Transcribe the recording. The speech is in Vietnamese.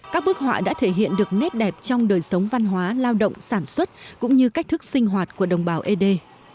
các bức họa đã thể hiện được nét đẹp trong đời sống văn hóa lao động sản xuất cũng như cách thức sinh hoạt của đồng bào ed